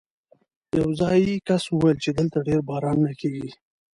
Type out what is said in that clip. یو ځايي کس وویل چې دلته ډېر بارانونه کېږي.